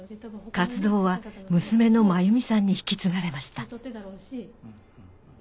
活動は娘の真由美さんに引き継がれました